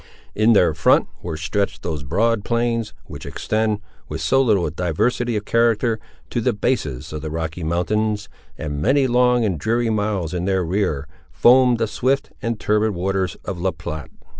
In their front were stretched those broad plains, which extend, with so little diversity of character, to the bases of the Rocky Mountains; and many long and dreary miles in their rear, foamed the swift and turbid waters of La Platte.